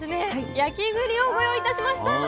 焼きぐりをご用意いたしました。